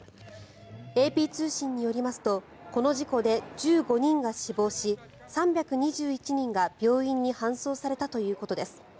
ＡＰ通信によりますとこの事故で１５人が死亡し３２１人が病院に搬送されたということです。